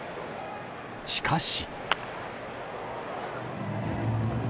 しかし。